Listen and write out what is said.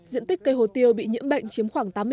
diện tích cây hồ tiêu bị nhiễm bệnh chiếm khoảng tám mươi